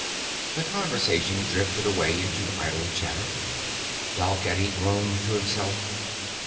The conversation drifted away into idle chatter. Dalgetty groaned to himself.